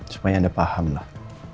supaya anda paham lah